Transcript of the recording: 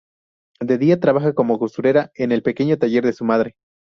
De día trabaja como costurera en el pequeño taller de su madre.